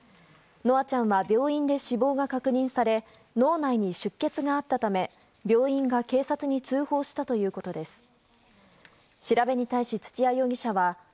夢空ちゃんは病院で死亡が確認され脳内に出血があったため病院が警察に通報したということです。